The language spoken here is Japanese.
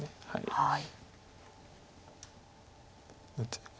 はい。